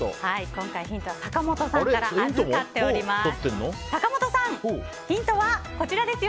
今回、ヒント坂本さんから預かっております。